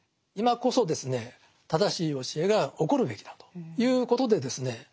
今こそですね正しい教えが起こるべきだということでですね